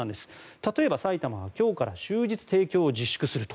例えば、埼玉は今日から終日提供を自粛すると。